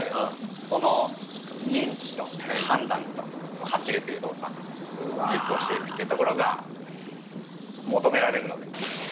この認知と判断と走るという動作、実行していくというところが求められるので。